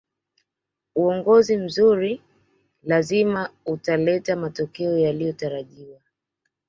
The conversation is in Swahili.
uongozi mzuri lazima utaleta matokeo yaliyotarajiwa